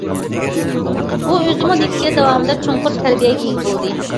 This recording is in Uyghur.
ئۇ ئۆزىمۇ لېكسىيە داۋامىدا چوڭقۇر تەربىيەگە ئىگە بولدى.